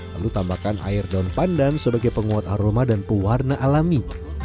lalu tambahkan air daun pandan sebagai penguat aroma dan pewarna alami